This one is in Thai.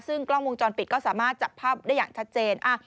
ซึ่งกล้องวงจรปิดก็สามารถจับภาพได้อย่างชัดเจน